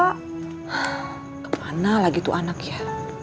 hah kemana lagi tuh anak ya